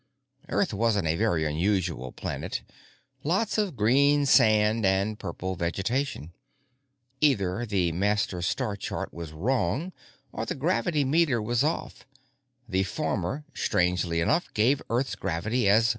Earth wasn't a very unusual planet—lots of green sand and purple vegetation. Either the master star chart was wrong or the gravity meter was off; the former, strangely enough, gave Earth's gravity as 1.